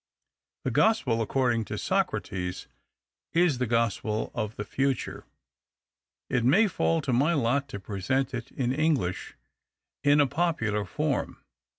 The gospel according to Socrates is the gospel THE OCTAVE OF CLAUDIUS. 281 of the future. It may fall to my lot to present it in English — in a popular form.